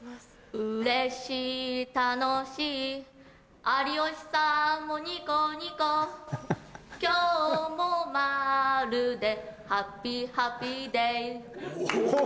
うれしい楽しい有吉さんもニコニコ今日も「○」でハッピーハッピーデーおぉ！